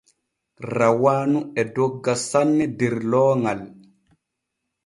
Rawaanu e dogga sanne der looŋal.